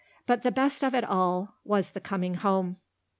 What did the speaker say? But the best of it all was the coming home."